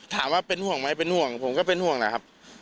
ถามว่าเป็นห่วงไหมเป็นห่วงผมก็เป็นห่วงนะครับ